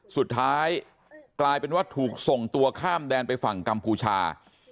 สุดท้ายกลายเป็นว่าถูกส่งตัวข้ามแดนไปฝั่งกัมพูชา